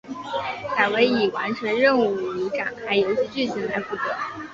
改为以完成任务与展开游戏剧情来负责。